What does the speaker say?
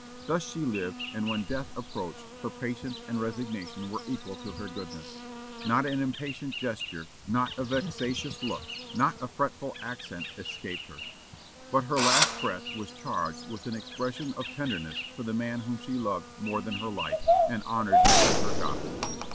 Thus she lived, and when death approached, her patience and resignation were equal to her goodness; not an impatient gesture, not a vexatious look, not a fretful accent escaped her: but her last breath was charged with an expression of tenderness for the man whom she loved more than her life, and honored next to her God."